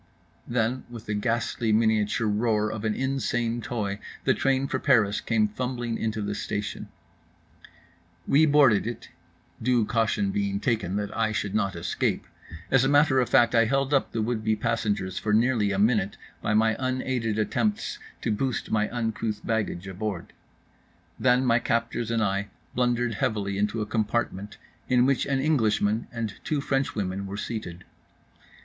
Then with the ghastly miniature roar of an insane toy the train for Paris came fumbling into the station…. We boarded it, due caution being taken that I should not escape. As a matter of fact I held up the would be passengers for nearly a minute by my unaided attempts to boost my uncouth baggage aboard. Then my captors and I blundered heavily into a compartment in which an Englishman and two French women were seated.